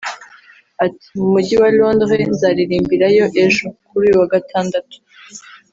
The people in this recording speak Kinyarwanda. Ati “Mu Mujyi wa Londres nzaririmbirayo ejo [kuri uyu wa Gatandatu]